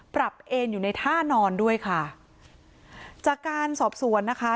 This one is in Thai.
เอ็นอยู่ในท่านอนด้วยค่ะจากการสอบสวนนะคะ